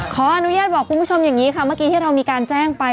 ขออนุญาตบอกคุณผู้ชมอย่างนี้ค่ะเมื่อกี้ที่เรามีการแจ้งไป